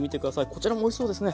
こちらもおいしそうですね。